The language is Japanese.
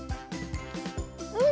うん！